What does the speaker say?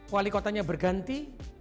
wali kotanya berganti